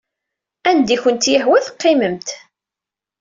Anda i kent-yehwa teqqimemt.